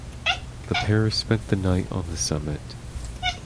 The pair spent the night on the summit.